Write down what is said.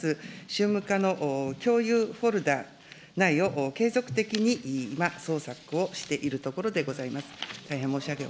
宗務課の共有フォルダ内を継続的に今、捜索をしているところでございます。